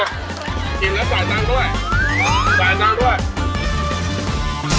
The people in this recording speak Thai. กินแล้วสายซางด้วย